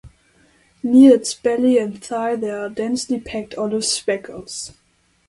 Near its belly and thigh there are densely packed olive speckles.